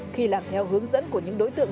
khi làm theo hướng dẫn của những đối tượng